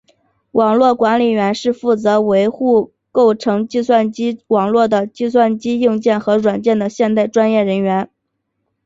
网络管理员是负责维护构成计算机网络的计算机硬件和软件的现代专业人员。